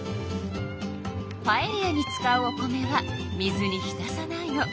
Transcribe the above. パエリアに使うお米は水に浸さないの。